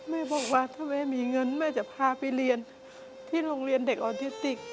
แม่บอกว่าถ้าแม่มีเงินแม่จะพาไปเรียนที่โรงเรียนเด็กออทิสติก